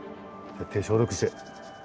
手消毒して。